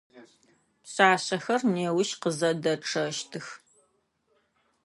Пшъашъэхэр неущ къызэдэчъэщтых.